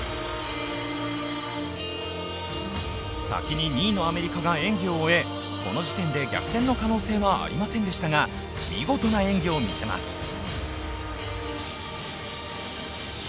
先に２位のアメリカが演技を終えこの時点で、逆転の可能性はありませんでしたが見事な演技を見せます。